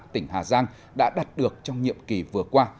tỉnh hà giang đã đạt được trong nhiệm kỳ vừa qua